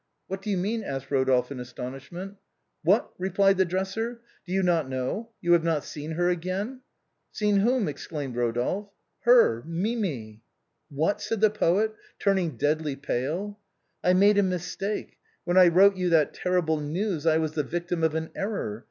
" What do you mean ?" asked Eodolphe in astonishment. " What," replied the dresser, " do you not know ? you have not seen her again ?"" Seen whom ?" exclaimed Eodolphe. " Her, Mimi." " What," said the poet, turning deadly pale. " I made a mistake. When I wrote you that terrible news I was the victim of an error.